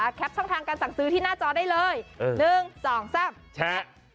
แคปช่องทางการสั่งซื้อที่หน้าจอได้เลย๑๒แซ่บแชะ